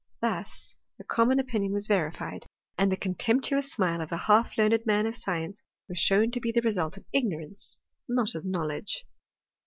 Thus THEORY IN CHEMISTRY. 277 the common opinion was yerified^and the contemptuous smile of the half learned man of science was shown to be the result of ignorance, not of knowledge.